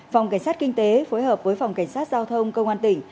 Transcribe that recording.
phòng cảnh sát kinh tế phối hợp với phòng cảnh sát giao thông công an tỉnh